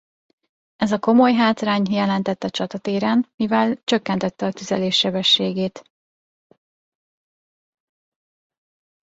Ez a komoly hátrány jelentett a csatatéren mivel csökkentette a tüzelés sebességét.